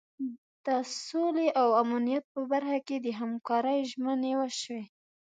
د سولې او امنیت په برخه کې د همکارۍ ژمنې وشوې.